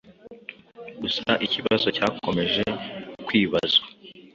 gusa ikibazo cyakomeje kwibazwa